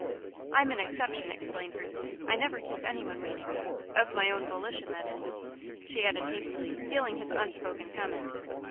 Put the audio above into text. "I'm an exception," explained Ruth; "I never keep any one waiting. Of my own volition, that is," she added, hastily, feeling his unspoken comment.